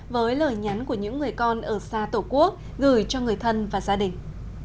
với lời nhắn của những người con ở xa tổ quốc gửi cho người thân và gia đình